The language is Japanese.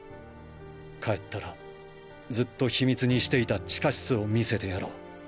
帰ったらずっと秘密にしていた地下室を見せてやろう。